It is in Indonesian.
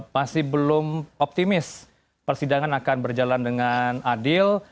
masih belum optimis persidangan akan berjalan dengan adil